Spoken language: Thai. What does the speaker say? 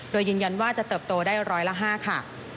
โดยยืนยันว่าจะเติบโตได้ร้อยละ๕ค่ะ